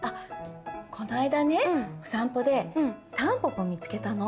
こないだねお散歩でタンポポ見つけたの。